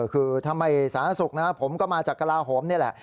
คือทำไมสารสุขนะผมก็มาจากกราโหมนี่แหละ